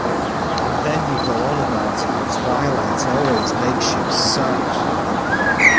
And then you go on about how twilight always makes you sad.